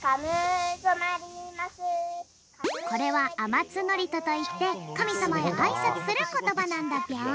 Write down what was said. これは「あまつのりと」といってかみさまへあいさつすることばなんだぴょん。